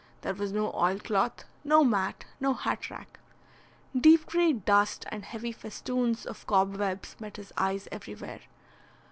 There was no oilcloth, no mat, no hat rack. Deep grey dust and heavy festoons of cobwebs met his eyes everywhere.